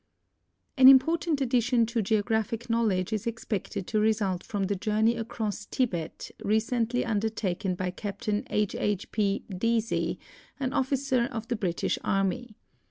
An important addition to geographic knowledge is expected to result from the journey across Tibet recently undertaken by Captain II. II. P. Deasy, an otiicer of the British .Army.